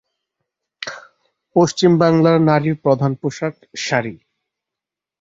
পশ্চিম বাংলার নারীর প্রধান পোশাক শাড়ি।